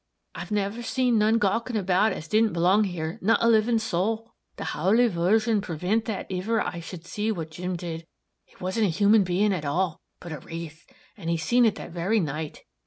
"I've never seen none gawking about as didn't belong here not a living sowl. The howly Virgin prevint that iver I should see what Jim did it wasn't a human being at all, but a wraith, and he seen it that very night.